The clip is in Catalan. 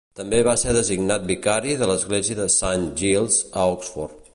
També va ser designat vicari de l'Església de Saint Giles, a Oxford.